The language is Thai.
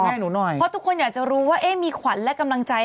เพราะทุกคนอยากจะรู้ว่ามีขวัญและกำลังใจ